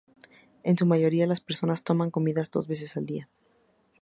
En su mayoría, las personas toman comidas dos veces al día.